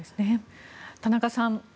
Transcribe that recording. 田中さん